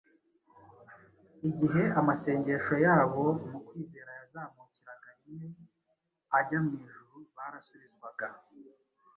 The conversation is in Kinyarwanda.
Igihe amasengesho yabo mu kwizera yazamukiraga rimwe ajya mu ijuru, barasubizwaga.